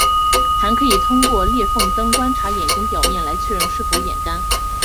还可以通过裂缝灯观察眼睛表面来确认是否眼干。